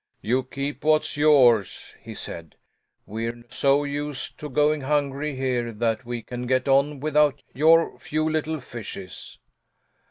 "You keep what's yours," he said. "We're so used to going hungry here that we can get on without your few little fishes."